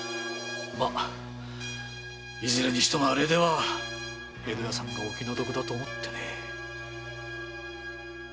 いずれにしてもあれでは江戸屋さんが気の毒だと思ってね。